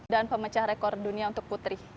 dan pemecah rekor dunia untuk putri